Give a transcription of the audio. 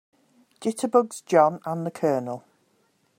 Jitterbugs JOHN and the COLONEL.